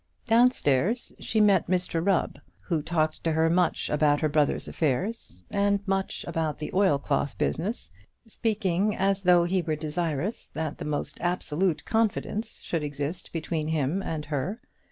Downstairs she met Mr Rubb, who talked to her much about her brother's affairs, and much about the oilcloth business, speaking as though he were desirous that the most absolute confidence should exist between him and her.